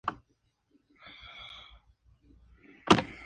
Soprano y Orquesta de Cuerda.